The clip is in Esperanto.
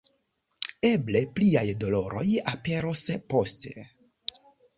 Eble pliaj doloroj aperos poste.